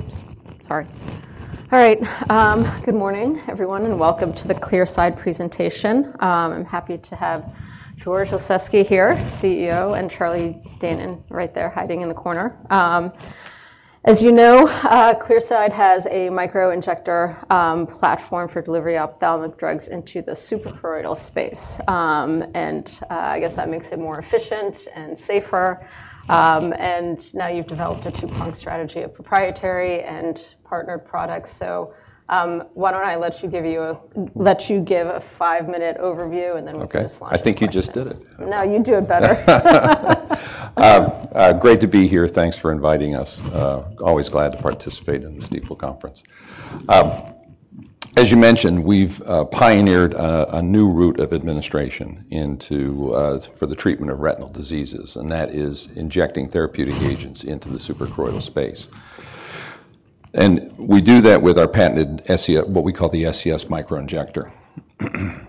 Great. Oops, sorry. All right, good morning, everyone, and welcome to the Clearside presentation. I'm happy to have George Lasezkay here, CEO, and Charlie Deignan, right there, hiding in the corner. As you know, Clearside has a microinjector platform for delivering ophthalmic drugs into the suprachoroidal space. I guess that makes it more efficient and safer. And now you've developed a 2-prong strategy of proprietary and partnered products. Why don't I let you give a 5-minute overview, and then we can- Okay. Slide into questions. I think you just did it. No, you'd do it better. Great to be here. Thanks for inviting us. Always glad to participate in this Stifel conference. As you mentioned, we've pioneered a new route of administration into for the treatment of retinal diseases, and that is injecting therapeutic agents into the suprachoroidal space. We do that with our patented SCS Microinjector.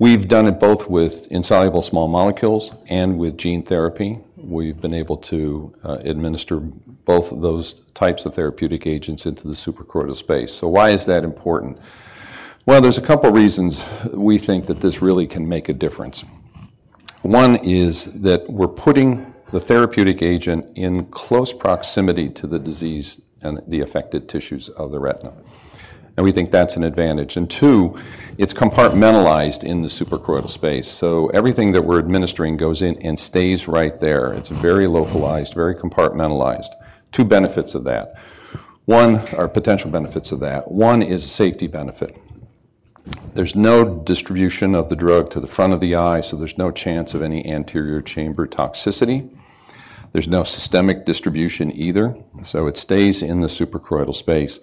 We've done it both with insoluble small molecules and with gene therapy. We've been able to administer both of those types of therapeutic agents into the suprachoroidal space so why is that important? Well, there's a couple reasons we think that this really can make a difference. One is that we're putting the therapeutic agent in close proximity to the disease and the affected tissues of the retina. We think that's an advantage and two, it's compartmentalized in the suprachoroidal space, so everything that we're administering goes in and stays right there. It's very localized, very compartmentalized. Two benefits of that. One- or potential benefits of that. One is safety benefit. There's no distribution of the drug to the front of the eye, so there's no chance of any anterior chamber toxicity. There's no systemic distribution either, so it stays in the suprachoroidal space.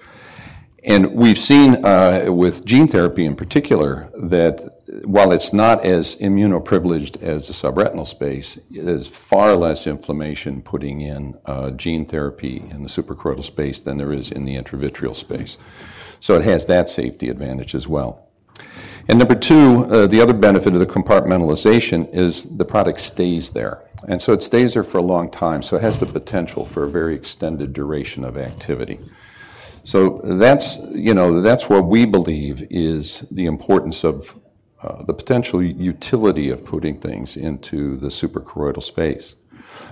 And we've seen with gene therapy in particular, that while it's not as immunoprivileged as the subretinal space, there's far less inflammation putting in gene therapy in the suprachoroidal space than there is in the intravitreal space. So it has that safety advantage as well. Number two, the other benefit of the compartmentalization is the product stays there, and so it stays there for a long time, so it has the potential for a very extended duration of activity. That's, you know, that's what we believe is the importance of the potential utility of putting things into the suprachoroidal space.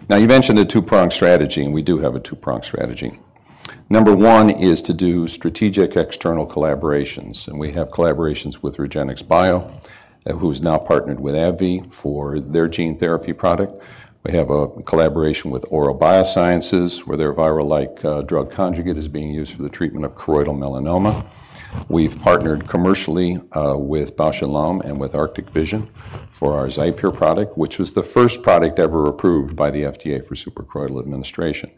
Now, you mentioned a two-pronged strategy, and we do have a two-pronged strategy. Number one is to do strategic external collaborations, and we have collaborations with REGENXBIO, who's now partnered with AbbVie for their gene therapy product. We have a collaboration with Aura Biosciences, where their viral-like drug conjugate is being used for the treatment of choroidal melanoma. We've partnered commercially with Bausch + Lomb and with Arctic Vision for our XIPERE product, which was the first product ever approved by the FDA for suprachoroidal administration.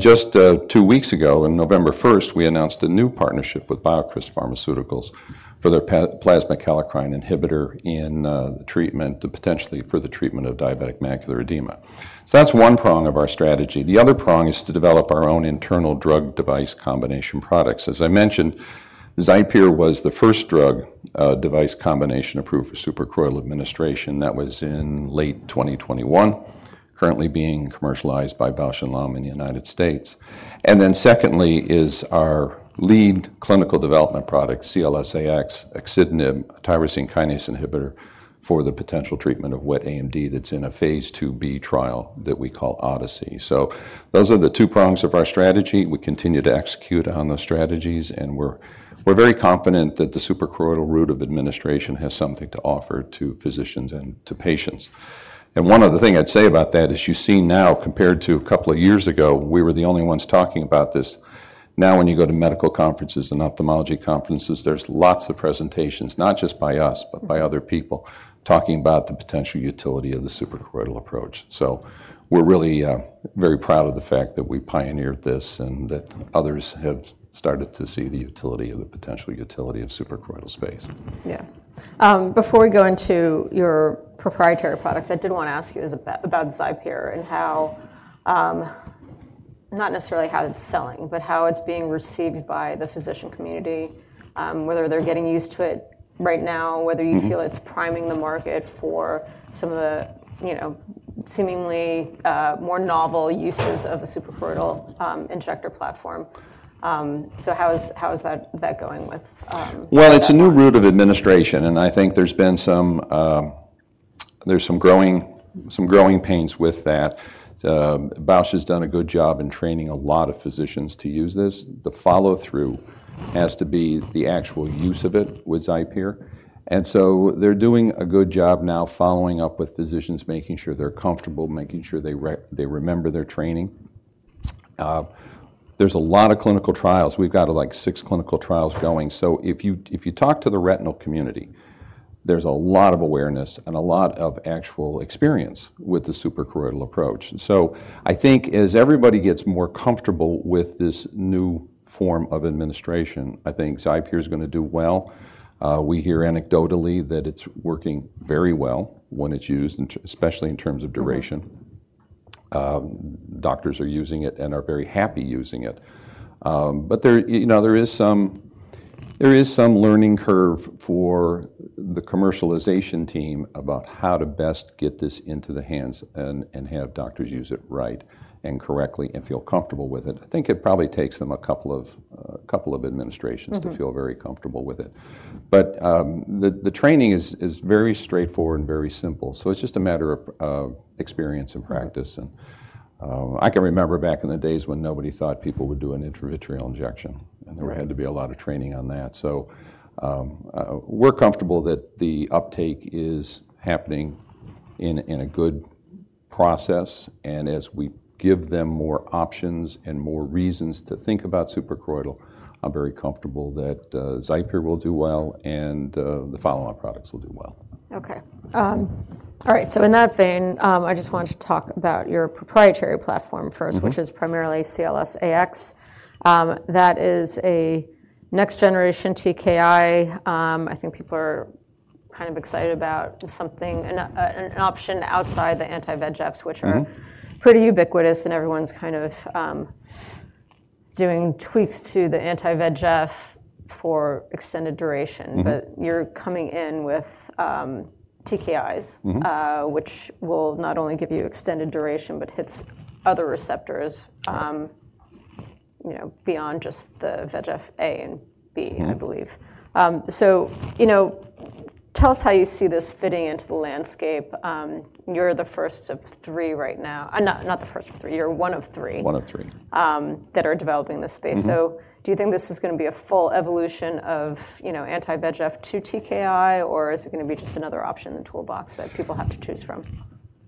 Just two weeks ago, on November first, we announced a new partnership with BioCryst Pharmaceuticals for their plasma kallikrein inhibitor in the treatment, potentially for the treatment of diabetic macular edema. So that's one prong of our strategy the other prong is to develop our own internal drug device combination products as I mentioned, XIPERE was the first drug device combination approved for suprachoroidal administration that was in late 2021, currently being commercialized by Bausch + Lomb in the United States. Then secondly is our lead clinical development product, CLS-AX, axitinib, a tyrosine kinase inhibitor for the potential treatment of wet AMD that's in a phase 2b trial that we call ODYSSEY. Those are the two prongs of our strategy we continue to execute on those strategies, and we're very confident that the suprachoroidal route of administration has something to offer to physicians and to patients. One other thing I'd say about that is you see now, compared to a couple of years ago, we were the only ones talking about this. Now, when you go to medical conferences and ophthalmology conferences, there's lots of presentations, not just by us, but by other people, talking about the potential utility of the suprachoroidal approach. We're really very proud of the fact that we pioneered this and that others have started to see the utility or the potential utility of suprachoroidal space. Yeah. Before we go into your proprietary products, I did want to ask you about XIPERE and how, not necessarily how it's selling, but how it's being received by the physician community, whether they're getting used to it right now, whether you feel it's priming the market for some of the, you know, seemingly, more novel uses of a suprachoroidal injector platform. So how is, how is that, that going with XIPERE? Well, it's a new route of administration, and I think there's been some, there's some growing, some growing pains with that. Bausch has done a good job in training a lot of physicians to use this. The follow-through has to be the actual use of it with XIPERE. And so they're doing a good job now, following up with physicians, making sure they're comfortable, making sure they remember their training. There's a lot of clinical trials we've got, like, six clinical trials going, so if you, if you talk to the retinal community, there's a lot of awareness and a lot of actual experience with the suprachoroidal approach. I think as everybody gets more comfortable with this new form of administration, I think XIPERE is gonna do well. We hear anecdotally that it's working very well when it's used, especially in terms of duration. Doctors are using it and are very happy using it. But there, you know, there is some learning curve for the commercialization team about how to best get this into the hands and, and have doctors use it right and correctly and feel comfortable with it i think it probably takes them a couple of couple of administrations. Mm-hmm. -to feel very comfortable with it. The training is very straightforward and very simple so it's just a matter of experience and practice. Mm-hmm. I can remember back in the days when nobody thought people would do an intravitreal injection... Right. There had to be a lot of training on that. We're comfortable that the uptake is happening in a good process, and as we give them more options and more reasons to think about suprachoroidal, I'm very comfortable that XIPERE will do well, and the follow-on products will do well. Okay. All right, so in that vein, I just wanted to talk about your proprietary platform first- which is primarily CLS-AX. That is a next generation TKI. I think people are kind of excited about something, an option outside the anti-VEGFs, which are- Mm-hmm... pretty ubiquitous, and everyone's kind of doing tweaks to the Anti-VEGF for extended duration. Mm-hmm. But you're coming in with TKIs- Mm-hmm... which will not only give you extended duration, but hits other receptors, you know, beyond just the VEGF-A and VEGF-B- Mm-hmm I believe. You know, tell us how you see this fitting into the landscape. You're the first of three right now not the first of three. You're one of three- One of three.... that are developing this space. Do you think this is gonna be a full evolution of, you know, anti-VEGF to TKI, or is it gonna be just another option in the toolbox that people have to choose from?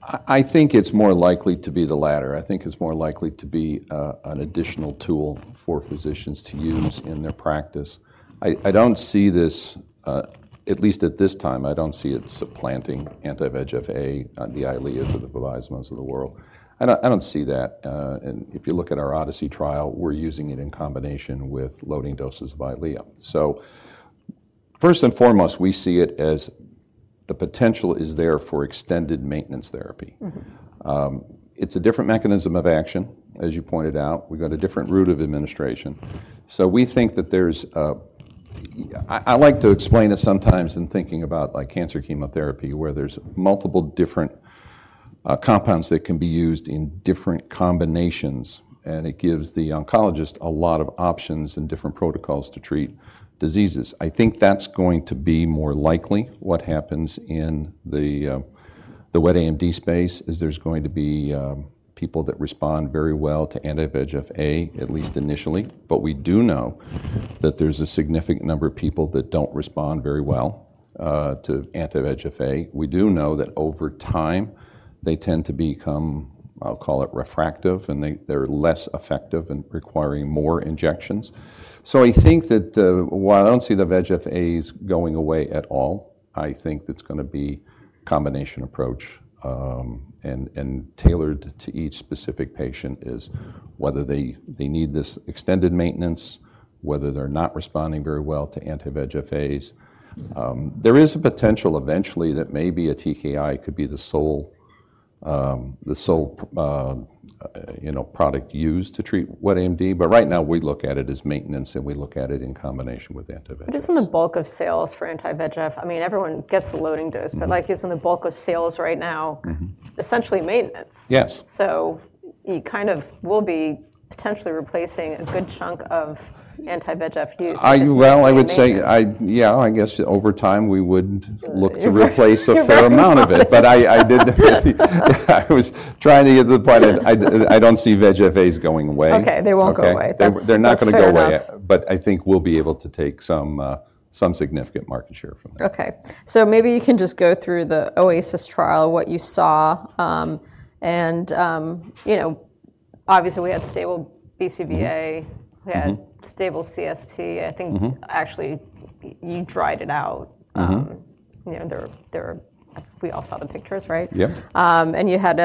I think it's more likely to be the latter. I think it's more likely to be an additional tool for physicians to use in their practice. I don't see this, at least at this time, I don't see it supplanting anti-VEGF, the Eylea or the Lucentis of the world. I don't see that. And if you look at our ODYSSEY trial, we're using it in combination with loading doses of Eylea. First and foremost, we see it as the potential is there for extended maintenance therapy. It's a different mechanism of action, as you pointed out. We've got a different route of administration. So we think that there's... I like to explain it sometimes in thinking about, like, cancer chemotherapy, where there's multiple different compounds that can be used in different combinations. And it gives the oncologist a lot of options and different protocols to treat diseases. I think that's going to be more likely what happens in the wet AMD space, is there's going to be people that respond very well to anti-VEGF, at least initially. But we do know that there's a significant number of people that don't respond very well to anti-VEGF we do know that over time, they tend to become, I'll call it, refractory, and they're less effective and requiring more injections. I think that, while I don't see the VEGFs going away at all, I think it's gonna be combination approach, and tailored to each specific patient is whether they need this extended maintenance, whether they're not responding very well to anti-VEGFs. There is a potential eventually that maybe a TKI could be the sole, you know, product used to treat wet AMD, but right now we look at it as maintenance, and we look at it in combination with anti-VEGFs. But isn't the bulk of sales for Anti-VEGF? I mean, everyone gets the loading dose- but, like, isn't the bulk of sales right now, essentially maintenance? Yes. You kind of will be potentially replacing a good chunk of anti-VEGF use- Well, I would say- With maintenance... Yeah, I guess over time, we would look to replace- You're right... a fair amount of it. But I was trying to get to the point. I don't see VEGFs going away. Okay, they won't go away. Okay. That's- They're not gonna go away. That's fair enough. But I think we'll be able to take some, some significant market share from there. Okay. So maybe you can just go through the OASIS trial, what you saw. You know, obviously, we had stable BCVA. We had stable CST, I think- actually, you tried it out. Mm-hmm. You know, as we all saw the pictures, right? Yeah. You had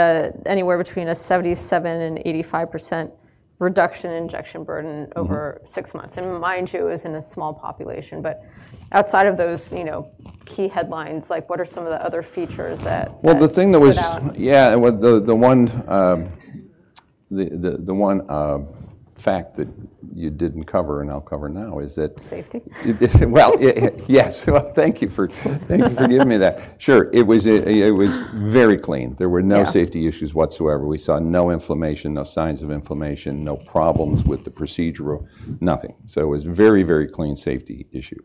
anywhere between 77% and 85% reduction in injection burden over six months mind you, it was in a small population, but outside of those, you know, key headlines, like, what are some of the other features that- Well, the thing that was-... stood out? Yeah, well, the one fact that you didn't cover and I'll cover now is that- Safety?... Well, yes. Well, thank you for giving me that. Sure. It was very clean. Yeah. There were no safety issues whatsoever we saw no inflammation, no signs of inflammation, no problems with the procedure, nothing so it was very, very clean safety issue.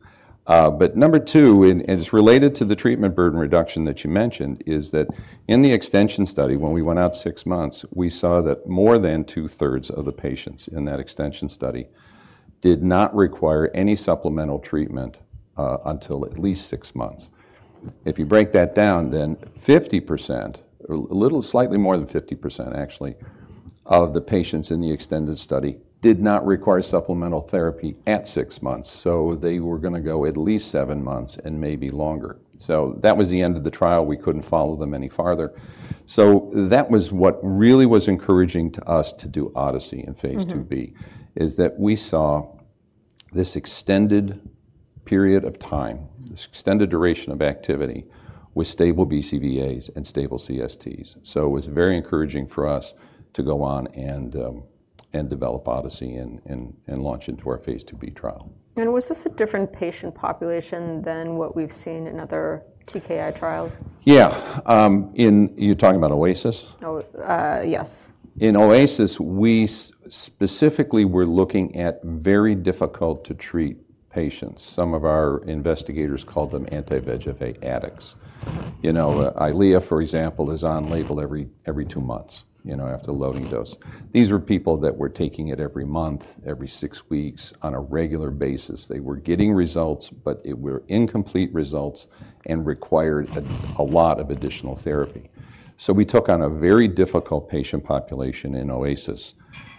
Number two, and it's related to the treatment burden reduction that you mentioned, is that in the extension study, when we went out six months, we saw that more than 2/3 of the patients in that extension study did not require any supplemental treatment until at least six months. If you break that down, then 50%, or a little, slightly more than 50% actually, of the patients in the extended study did not require supplemental therapy at six months so they were gonna go at least seven months and maybe longer. That was the end of the trial we couldn't follow them any farther. That was what really was encouraging to us to do ODYSSEY in phase 2b- Mm-hmm... is that we saw this extended period of time, this extended duration of activity with stable BCVAs and stable CSTs so it was very encouraging for us to go on and develop Odyssey and launch into our phase 2b trial. Was this a different patient population than what we've seen in other TKI trials? Yeah, you're talking about OASIS? Oh, yes. In OASIS, we specifically were looking at very difficult-to-treat patients. Some of our investigators called them anti-VEGF addicts. You know, Eylea, for example, is on label every two months, you know, after loading dose. These were people that were taking it every month, every six weeks on a regular basis they were getting results, but they were incomplete results and required a lot of additional therapy. So we took on a very difficult patient population in OASIS.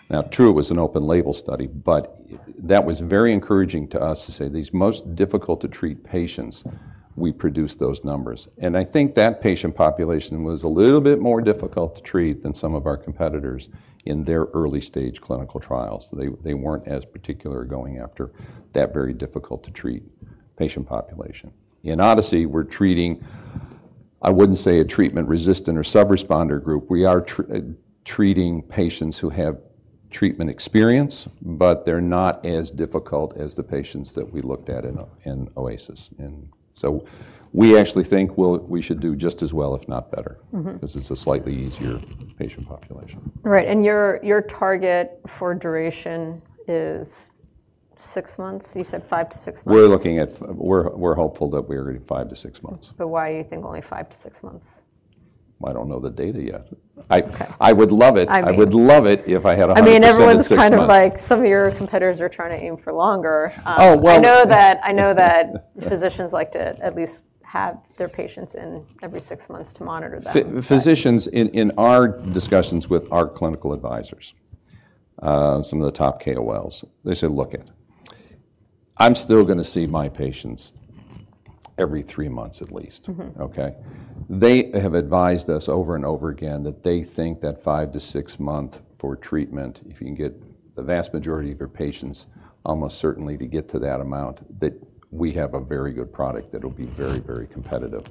Now, true, it was an open-label study, but that was very encouraging to us to say, "These most difficult-to-treat patients, we produced those numbers." And I think that patient population was a little bit more difficult to treat than some of our competitors in their early-stage clinical trials they weren't as particular going after that very difficult-to-treat patient population. In ODYSSEY, we're treating. I wouldn't say a treatment-resistant or sub-responder group. We are treating patients who have treatment experience, but they're not as difficult as the patients that we looked at in OASIS. And so we actually think, well, we should do just as well, if not better- Mm-hmm. 'Cause it's a slightly easier patient population. Right. And your target for duration is six months? You said five to six months. We're hopeful that we're 5-6 months. Why you think only 5-6 months? I don't know the data yet. Okay. I would love it- I mean- I would love it if I had 100% in six months. I mean, everyone's kind of like, some of your competitors are trying to aim for longer. Oh, well- I know that, I know that physicians like to at least have their patients in every six months to monitor them, but. Physicians in our discussions with our clinical advisors, some of the top KOLs, they say, "Look, I'm still gonna see my patients every three months at least. Mm-hmm. Okay? They have advised us over and over again that they think that 5-6 month for treatment, if you can get the vast majority of your patients, almost certainly to get to that amount, that we have a very good product that will be very, very competitive.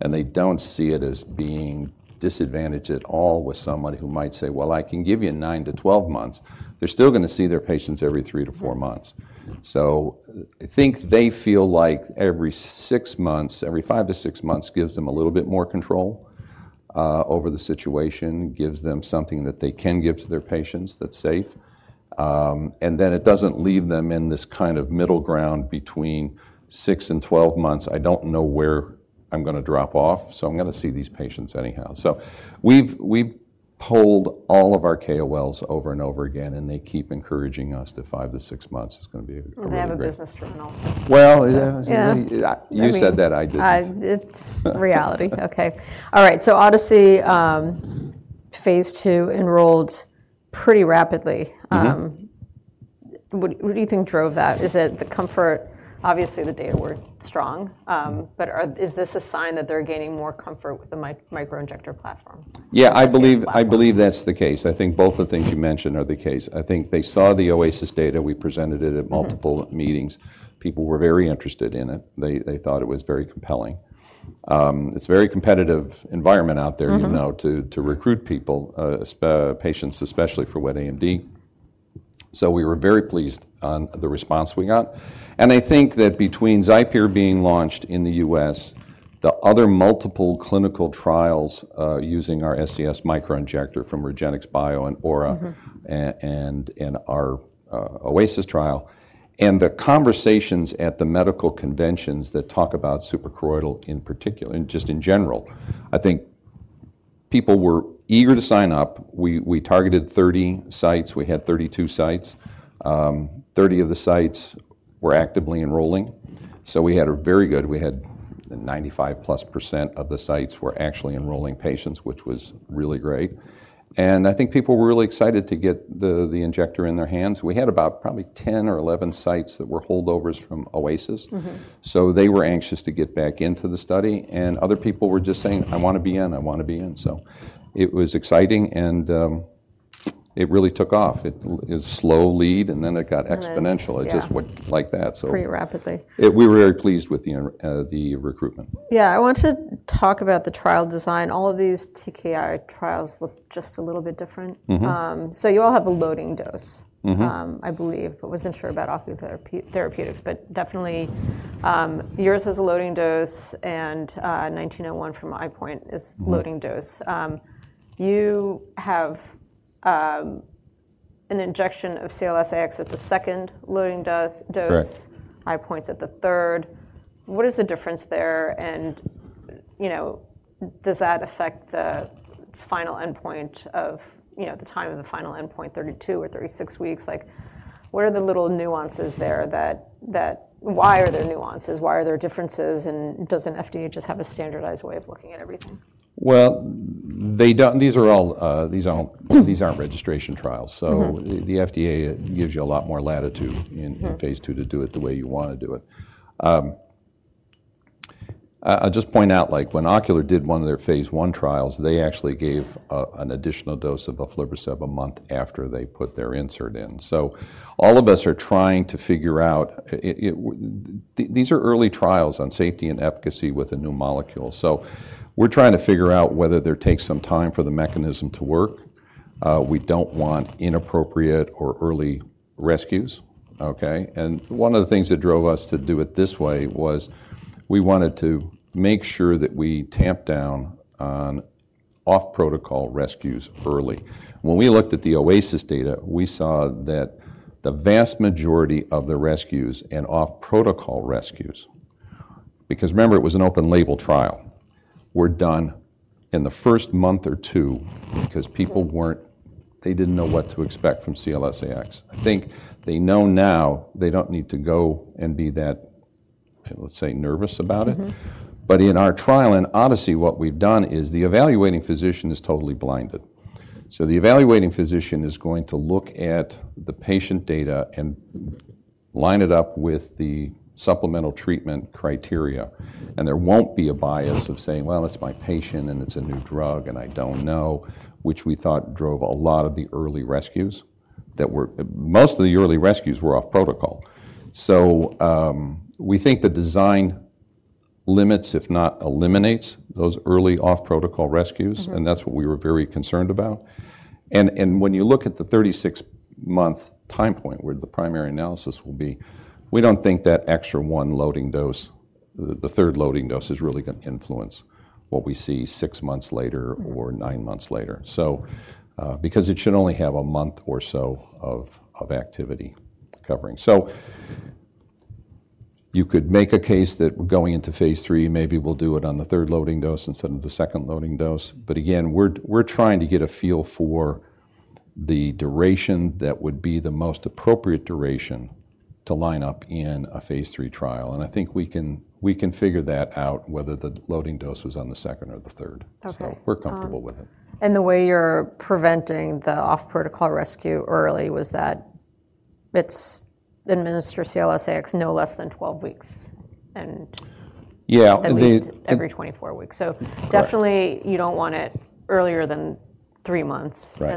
And they don't see it as being disadvantaged at all with someone who might say, "Well, I can give you 9-12 months." They're still gonna see their patients every 3-4 months. I think they feel like every six months, every 5-6 months, gives them a little bit more control over the situation, gives them something that they can give to their patients that's safe. And then it doesn't leave them in this kind of middle ground between six and 12 months. I don't know where I'm gonna drop off, so I'm gonna see these patients anyhow. We've polled all of our KOLs over and over again, and they keep encouraging us that 5-6 months is gonna be a really great- They have a business driven also. Well, yeah. Yeah. You said that, I didn't. It's reality. Okay. All right. So ODYSSEY, Phase 2 enrolled pretty rapidly. Mm-hmm. What, what do you think drove that? Is it the comfort? Obviously, the data were strong, but is this a sign that they're gaining more comfort with the Microinjector platform? Yeah, I believe that's the case. I think both the things you mentioned are the case. I think they saw the OASIS data we presented it at multiple meetings. People were very interested in it they, they thought it was very compelling. It's a very competitive environment out there- Mm-hmm... you know, to recruit people, patients, especially for wet AMD. So we were very pleased on the response we got. And I think that between XIPERE being launched in the U.S., the other multiple clinical trials, using our SCS Microinjector from REGENXBIO and Aura- and our OASIS trial, and the conversations at the medical conventions that talk about suprachoroidal, in particular, and just in general. I think people were eager to sign up. We targeted 30 sites. We had 32 sites. 30 of the sites were actively enrolling. So we had a very good. We had 95%+ of the sites were actually enrolling patients, which was really great. And I think people were really excited to get the injector in their hands we had about probably 10 or 11 sites that were holdovers from OASIS. Mm-hmm. They were anxious to get back into the study, and other people were just saying- "I want to be in, I want to be in." So it was exciting, and it really took off. It was slow lead, and then it got exponential. And then, yeah. It just went like that, so. Pretty rapidly. We were very pleased with the recruitment. Yeah, I want to talk about the trial design. All of these TKI trials look just a little bit different. Mm-hmm. You all have a loading dose- Mm-hmm... I believe. I wasn't sure about Ocular Therapeutix, but definitely, yours has a loading dose, and, 1901 from EyePoint is loading dose. You have an injection of CLS-AX at the second loading dose. Correct. EyePoint's at the third. What is the difference there? And, you know, does that affect the final endpoint of, you know, the time of the final endpoint, 32 or 36 weeks? Like, what are the little nuances there that... Why are there nuances? Why are there differences, and doesn't FDA just have a standardized way of looking at everything? Well, they don't. These are all, these aren't registration trials. The FDA gives you a lot more latitude in phase II to do it the way you want to do it. I'll just point out, like, when Ocular did one of their phase I trials, they actually gave an additional dose of aflibercept a month after they put their insert in. All of us are trying to figure out, these are early trials on safety and efficacy with a new molecule. We're trying to figure out whether there takes some time for the mechanism to work. We don't want inappropriate or early rescues, okay? And one of the things that drove us to do it this way was we wanted to make sure that we tamp down on off-protocol rescues early. When we looked at the OASIS data, we saw that the vast majority of the rescues and off-protocol rescues. Because remember, it was an open-label trial, were done in the first month or two, because people weren't, they didn't know what to expect from CLS-AX. I think they know now, they don't need to go and be that, let's say, nervous about it. But in our trial, in Odyssey, what we've done is the evaluating physician is totally blinded. The evaluating physician is going to look at the patient data and line it up with the supplemental treatment criteria, and there won't be a bias of saying, "Well, it's my patient, and it's a new drug, and I don't know," which we thought drove a lot of the early rescues that were most of the early rescues were off protocol. We think the design limits, if not eliminates, those early off-protocol rescues and that's what we were very concerned about. When you look at the 36-month time point, where the primary analysis will be, we don't think that extra one loading dose, the third loading dose, is really gonna influence what we see six months later or nine months later. Because it should only have a month or so of activity covering. You could make a case that we're going into phase III, maybe we'll do it on the third loading dose instead of the second loading dose. But again, we're trying to get a feel for the duration that would be the most appropriate duration to line up in a phase III trial, and I think we can figure that out, whether the loading dose was on the second or the third. Okay. We're comfortable with it. The way you're preventing the off-protocol rescue early was that it's administer CLS-AX no less than 12 weeks, and- Yeah, I mean- At least every 24 weeks. Definitely you don't want it earlier than three months. Right.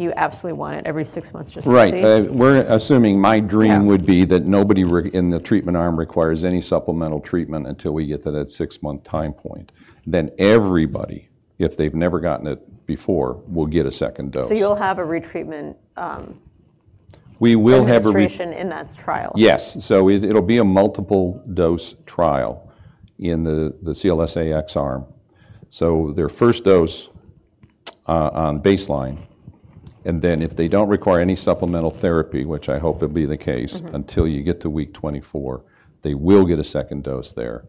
Then you absolutely want it every six months just to see? Right. We're assuming my dream would be that nobody in the treatment arm requires any supplemental treatment until we get to that six-month time point. Then everybody, if they've never gotten it before, will get a second dose. You'll have a retreatment. We will have a re- Administration in that trial? Yes. So it, it'll be a multiple dose trial in the CLS-AX arm. Their first dose on baseline, and then if they don't require any supplemental therapy, which I hope it'll be the case until you get to week 24, they will get a second dose there,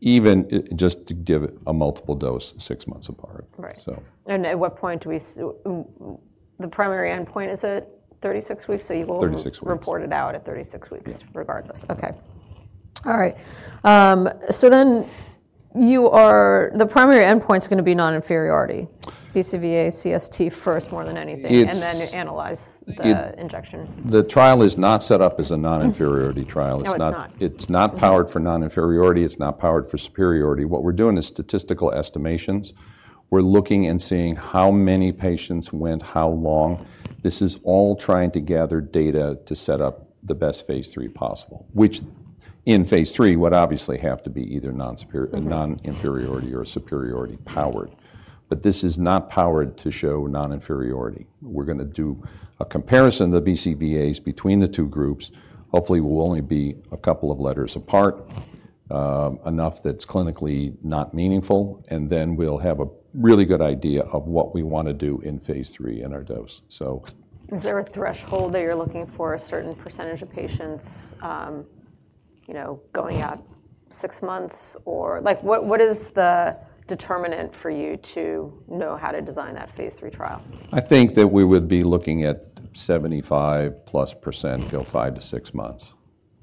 just to give it a multiple dose, six months apart. Right. At what point do we see the primary endpoint, is it 36 weeks? So you will- 36 weeks. - report it out at 36 weeks- Yeah... regardless. Okay. All right. Then you are the primary endpoint is gonna be non-inferiority, BCVA, CST first more than anything and then analyze the injection. The trial is not set up as a non-inferiority trial. No, it's not. It's not, it's not powered for non-inferiority, it's not powered for superiority what we're doing is statistical estimations. We're looking and seeing how many patients went how long. This is all trying to gather data to set up the best Phase III possible, which in Phase III, would obviously have to be either non-super non-inferiority or superiority powered. But this is not powered to show non-inferiority. We're gonna do a comparison of the BCVAs between the two groups. Hopefully, we will only be a couple of letters apart, enough that's clinically not meaningful, and then we'll have a really good idea of what we want to do in phase III in our dose. Is there a threshold that you're looking for, a certain percentage of patients, you know, going out six months? Or like, what, what is the determinant for you to know how to design that phase III trial? I think that we would be looking at 75+% go 5-6 months.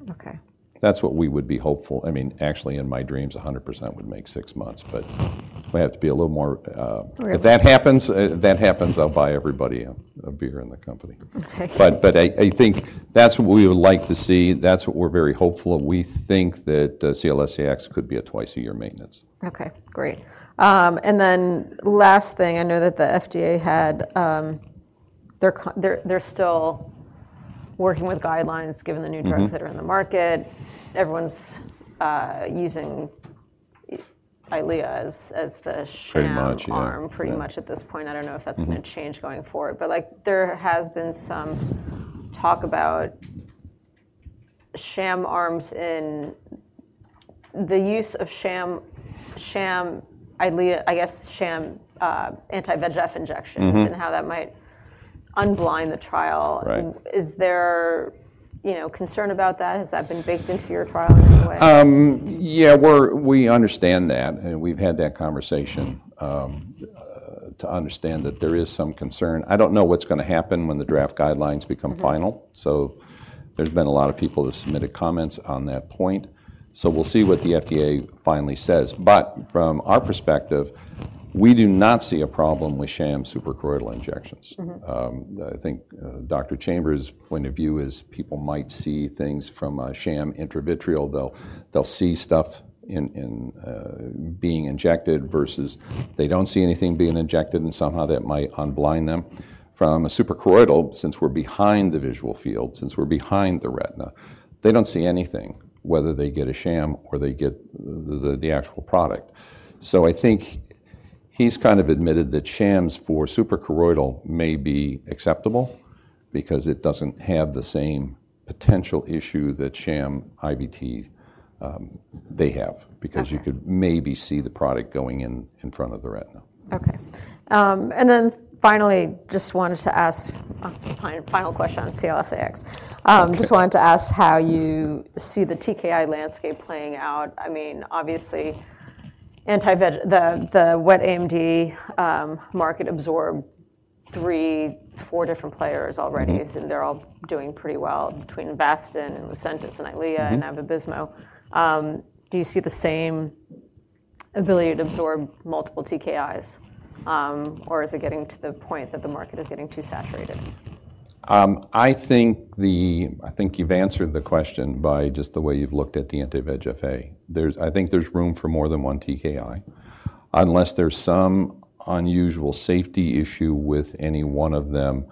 Okay. That's what we would be hopeful... I mean, actually, in my dreams, 100% would make six months, but we have to be a little more- Realistic. If that happens, I'll buy everybody a beer in the company. Okay. But I think that's what we would like to see. That's what we're very hopeful of we think that CLS-AX could be a twice-a-year maintenance. Okay, great. And then last thing, I know that the FDA had... They're still working with guidelines, given the new drugs that are in the market. Everyone's using Eylea as the sham- Pretty much. - arm pretty much at this point i don't know if that's gonna change going forward, but, like, there has been some talk about sham arms in the use of sham, sham Eylea, I guess, sham anti-VEGF injections- Mm-hmm... and how that might unblind the trial. Right. Is there, you know, concern about that? Has that been baked into your trial in any way? Yeah, we understand that, and we've had that conversation to understand that there is some concern i don't know what's gonna happen when the draft guidelines become final. There's been a lot of people who submitted comments on that point, so we'll see what the FDA finally says but from our perspective, we do not see a problem with sham suprachoroidal injections. Mm-hmm. I think, Dr. Chambers' point of view is people might see things from a sham intravitreal. They'll see stuff being injected versus they don't see anything being injected, and somehow that might unblind them from a suprachoroidal, since we're behind the visual field, since we're behind the retina, they don't see anything, whether they get a sham or they get the actual product. I think he's kind of admitted that shams for suprachoroidal may be acceptable because it doesn't have the same potential issue that sham IVT, they have because you could maybe see the product going in, in front of the retina. Okay. And then finally, just wanted to ask a final question on CLS-AX. Just wanted to ask how you see the TKI landscape playing out. I mean, obviously, anti-VEGF—the wet AMD market absorbed three, four different players already and they're all doing pretty well between Vabysmo and Lucentis and Eylea and Vabysmo. Do you see the same ability to absorb multiple TKIs, or is it getting to the point that the market is getting too saturated? I think you've answered the question by just the way you've looked at the anti-VEGF. I think there's room for more than one TKI. Unless there's some unusual safety issue with any one of them,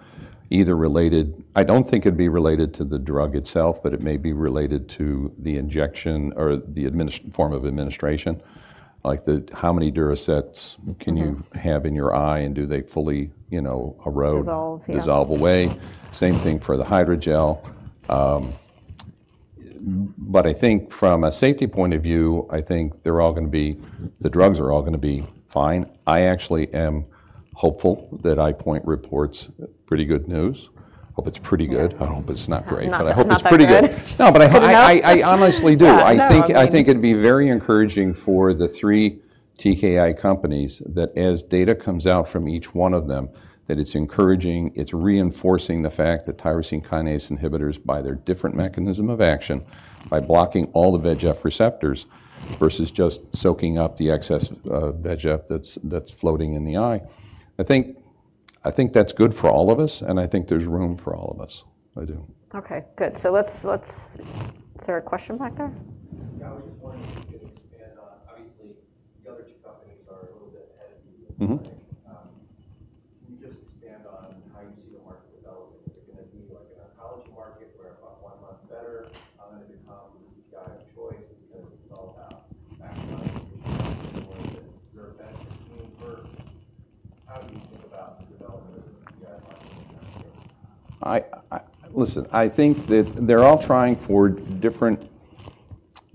either related. I don't think it'd be related to the drug itself, but it may be related to the injection or the administration form of administration. Like the, how many Durasert can you have in your eye, and do they fully, you know, erode? Dissolve, yeah. Dissolve away. Same thing for the hydrogel. But I think from a safety point of view, I think they're all gonna be—the drugs are all gonna be fine. I actually am hopeful that EyePoint reports pretty good news. Hope it's pretty good. Yeah. I hope it's not great- Not, not that good.... but I hope it's pretty good. No, but I Good enough?... I honestly do. Yeah, I know. I think, I think it'd be very encouraging for the three TKI companies that as data comes out from each one of them, that it's encouraging, it's reinforcing the fact that tyrosine kinase inhibitors, by their different mechanism of action, by blocking all the VEGF receptors versus just soaking up the excess VEGF that's, that's floating in the eye. I think, I think that's good for all of us, and I think there's room for all of us. I do. Okay, good. So let's... Is there a question back there? [inaudible] how you see the market developing? Is it gonna be like an oncology market where one month better, how many times you got a choice? Because it's all about maximizing first. How do you think about the development of the eye market? Listen, I think that they're all trying for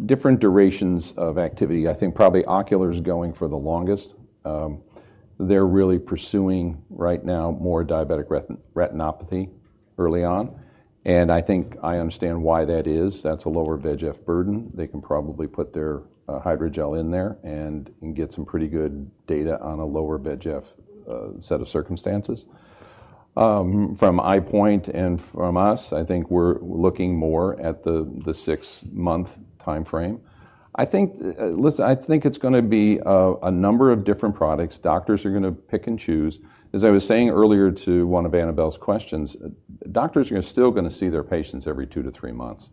different durations of activity i think probably Ocular is going for the longest. They're really pursuing right now more diabetic retinopathy early on, and I think I understand why that is that's a lower VEGF burden they can probably put their hydrogel in there and get some pretty good data on a lower VEGF set of circumstances. From EyePoint and from us, I think we're looking more at the six month time frame. I think, listen, I think it's gonna be a number of different products. Doctors are gonna pick and choose. As I was saying earlier to one of Annabel questions, doctors are still gonna see their patients every 2-3 months.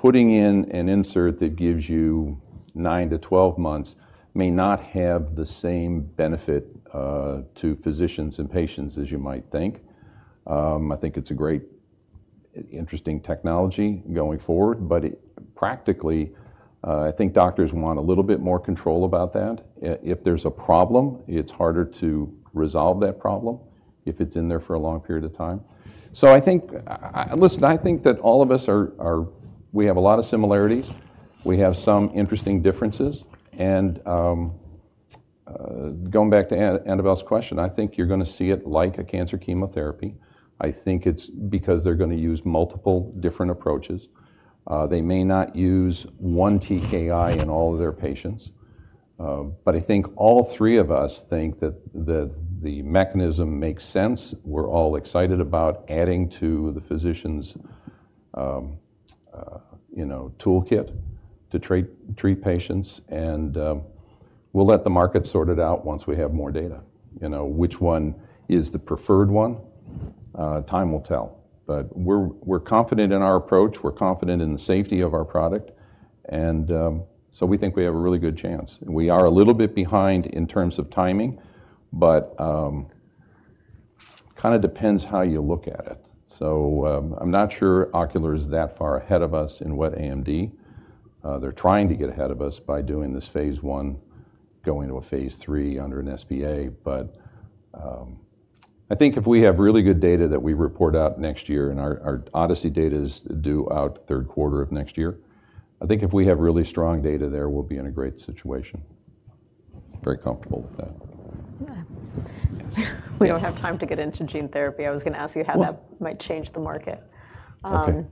Putting in an insert that gives you 9-12 months may not have the same benefit to physicians and patients as you might think. I think it's a great, interesting technology going forward, but it, practically, I think doctors want a little bit more control about that. If there's a problem, it's harder to resolve that problem if it's in there for a long period of time. I think, listen, I think that all of us are, we have a lot of similarities. We have some interesting differences, and going back to Annabelle's question, I think you're gonna see it like a cancer chemotherapy. I think it's because they're gonna use multiple different approaches. They may not use one TKI in all of their patients, but I think all three of us think that the mechanism makes sense. We're all excited about adding to the physician's, you know, toolkit to treat patients, and we'll let the market sort it out once we have more data. You know, which one is the preferred one? Time will tell. But we're confident in our approach, we're confident in the safety of our product. We think we have a really good chance. We are a little bit behind in terms of timing, but kinda depends how you look at it. I'm not sure Ocular is that far ahead of us in wet AMD. They're trying to get ahead of us by doing this phase I, going to a phase III under an SPA. But, I think if we have really good data that we report out next year, and our ODYSSEY data is due out Q3 of next year, I think if we have really strong data there, we'll be in a great situation. Very comfortable with that. Yeah. Yes. We don't have time to get into gene therapy. I was gonna ask you- Well- how that might change the market. Okay.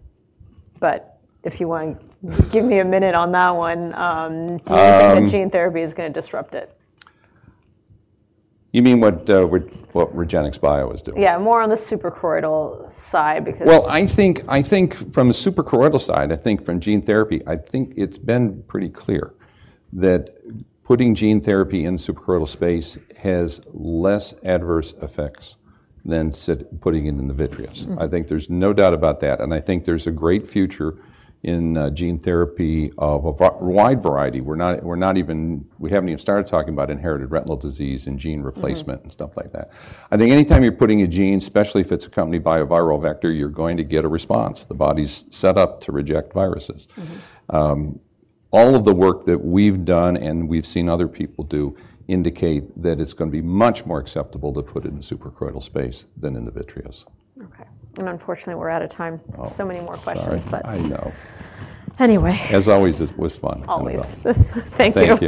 But if you want to give me a minute on that one. Do you think that gene therapy is gonna disrupt it? You mean what REGENXBIO is doing? Yeah, more on the suprachoroidal side because- Well, I think, I think from a suprachoroidal side, I think from gene therapy, I think it's been pretty clear that putting gene therapy in suprachoroidal space has less adverse effects than putting it in the vitreous. I think there's no doubt about that, and I think there's a great future in gene therapy of a wide variety we haven't even started talking about inherited retinal disease and gene replacement and stuff like that. I think anytime you're putting a gene, especially if it's accompanied by a viral vector, you're going to get a response the body's set up to reject viruses. All of the work that we've done, and we've seen other people do, indicate that it's gonna be much more acceptable to put it in suprachoroidal space than in the vitreous. Okay. Unfortunately, we're out of time. Oh. So many more questions, but. Sorry. I know. Anyway. As always, it was fun. Always. Thank you.